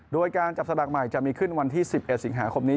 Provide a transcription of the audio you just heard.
โดยการจับสลากใหม่จะมีขึ้นวันที่๑๑สิงหาคมนี้